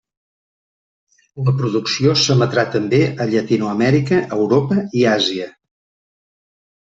La producció s'emetrà també a Llatinoamèrica, Europa i Àsia.